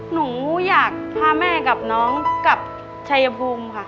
หนูอยากพาแม่กับน้องกลับชัยภูมิค่ะ